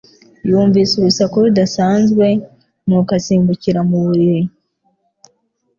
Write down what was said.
Yumvise urusaku rudasanzwe, nuko asimbukira mu buriri.